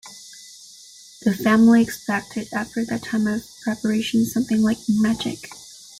The family expected, after that time of preparation, something like magic.